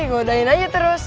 eh ngodain aja terus